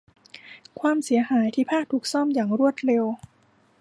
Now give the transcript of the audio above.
ความเสียหายที่ผ้าถูกซ่อมอย่างรวดเร็ว